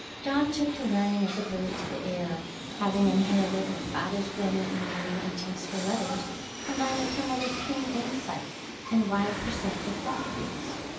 Dawn took to learning as a bird to the air, having inherited her father's brilliant mind and taste for letters, combined with her mother's keen insight and wide perceptive faculties.